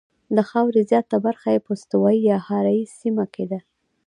د خاورې زیاته برخه یې په استوایي یا حاره یې سیمه کې ده.